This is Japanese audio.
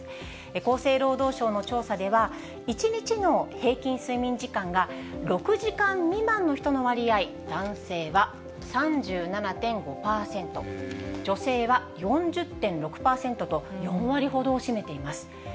厚生労働省の調査では、１日の平均睡眠時間が６時間未満の人の割合、男性は３７．５％、女性は４０．６％と、４割ほどを占めています。